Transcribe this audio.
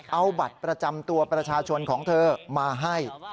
เอาบัตรประจำตัวประชาชนของเธอมาให้